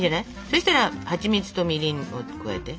そしたらはちみつとみりんを加えて。